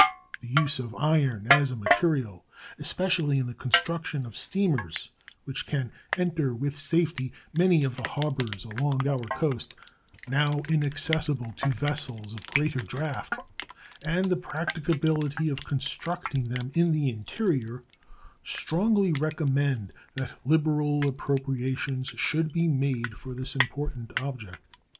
The use of iron as a material, especially in the construction of steamers which can enter with safety many of the harbors along our coast now inaccessible to vessels of greater draft, and the practicability of constructing them in the interior, strongly recommend that liberal appropriations should be made for this important object.